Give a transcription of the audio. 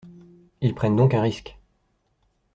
Ils prennent donc un risque.